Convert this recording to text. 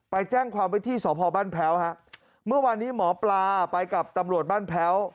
ไปแจ้งความไว้ที่สพบ้านแพ้วฮะเมื่อวานนี้หมอปลาไปกับตำรวจบ้านแพ้ว